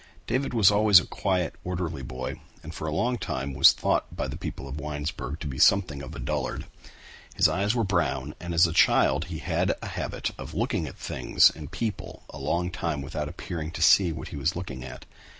David was always a quiet, orderly boy and for a long time was thought by the people of Winesburg to be something of a dullard. His eyes were brown and as a child he had a habit of looking at things and people a long time without appearing to see what he was looking at.